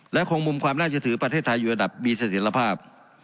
และคงมุมความน่าจะถือประเทศไทยอยู่ระดับมีเสถียรภาพ